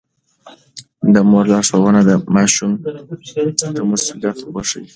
د مور لارښوونه ماشوم ته مسووليت ورښيي.